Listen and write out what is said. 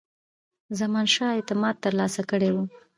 زمانشاه اعتماد ترلاسه کړی وو.